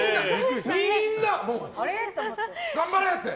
みんな、頑張れ！って。